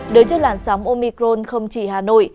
đối chức làn sóng omicron không chỉ hà nội